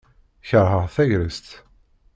Kerheɣ tagrest.